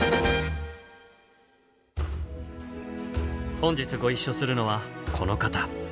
本日ご一緒するのはこの方。